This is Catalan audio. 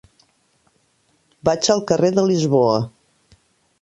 Vaig al carrer de Lisboa.